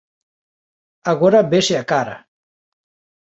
Agora vese a cara!"